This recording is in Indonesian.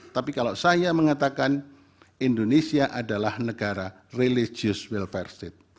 tapi kalau saya mengatakan indonesia adalah negara religious welfare state